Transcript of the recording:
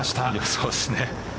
そうですね。